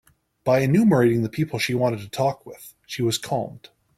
By enumerating the people she wanted to talk with, she was calmed.